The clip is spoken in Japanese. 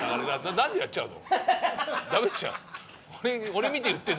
何でやっちゃうの？